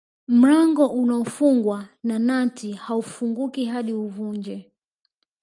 Mlango unaofungwa na nati haufunguki hadi uuvunje